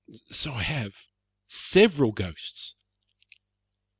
"So I have several ghosts."